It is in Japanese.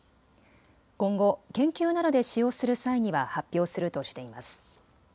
今後、研究などで使用する際には発表するとしています。